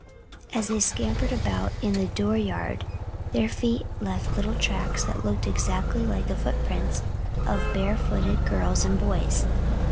As they scampered about in the door yard their feet left tracks that looked exactly like the foot prints of barefooted girls and boys.